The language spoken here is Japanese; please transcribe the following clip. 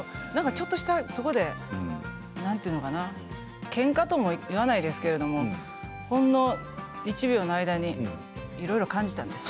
ちょっとしたそこで何て言うのかなけんかとも言わないですけれどほんの１秒の間にいろいろ感じたんです。